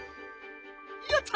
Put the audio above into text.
やった！